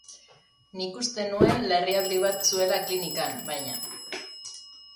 Nik uste nuen larrialdi bat zuela klinikan, baina.